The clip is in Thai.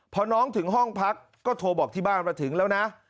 พอน้องถึงห้องพักก็โทรบอกที่บ้านว่าถึงแล้วนะ